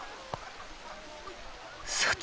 さて。